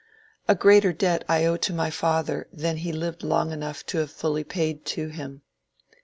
A greater debt I owe to my father than he lived long enough to have fully paid to him.